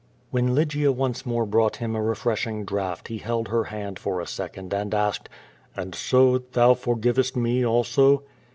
When Lygia once more brought him a refreshing draught he held her hand for a second and asked: "And so thou for givest me also?"